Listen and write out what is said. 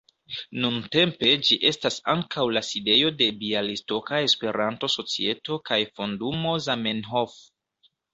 Nuntempe ĝi estas ankaŭ la sidejo de Bjalistoka Esperanto-Societo kaj Fondumo Zamenhof.